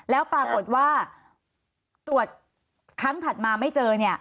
แล้วปรากฏว่าตรวจครั้งถัดมาไม่เจอ